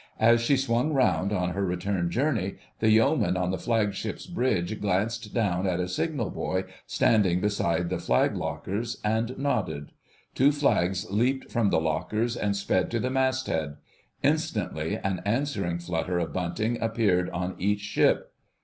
As she swung round on her return journey the Yeoman on the Flagship's bridge glanced down at a signal boy standing beside the flag lockers, and nodded. Two flags leaped from the lockers and sped to the masthead. Instantly an answering flutter of bunting appeared on each ship.